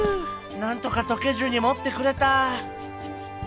なんとかとけずにもってくれた！